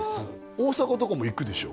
大阪とかも行くでしょ？